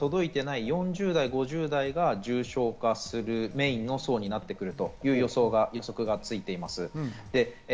ただワクチンが届いていない４０代、５０代が重症化するメインの層になってくるという予測がついています。